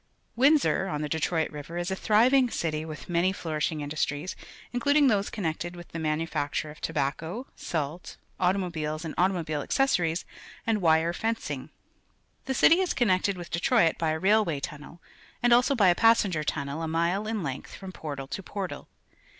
'Windsor, on {\\Q_Detr oit River, is a thriv ing city with many flourishing industries, including those connected with the manufac ture of tobacco, salt, automobiles and auto mobile accessories, and wire fencuig. The city is coimected with Detroit by a railway tunnel and also by a passenger tunnel a mile in length froiii porta! to portal.